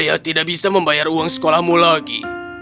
ayah tidak bisa membayar uang sekolahmu lagi